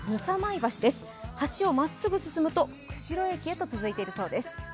橋をまっすぐ進むと釧路駅と続いていくそうです。